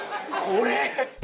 これ！